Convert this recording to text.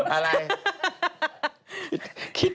อะไร